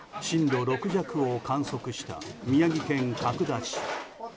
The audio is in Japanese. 震度６弱を観測した宮城県角田市。